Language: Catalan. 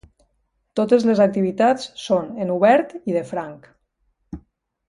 Totes les activitats són en obert i de franc.